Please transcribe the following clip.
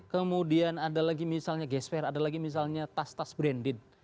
kemudian ada lagi misalnya gas fair ada lagi misalnya tas tas branded